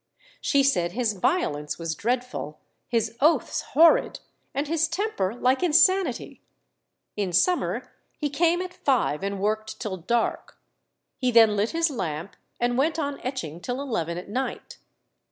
She said his violence was dreadful, his oaths horrid, and his temper like insanity. In summer he came at five and worked till dark; he then lit his lamp and went on etching till eleven at night.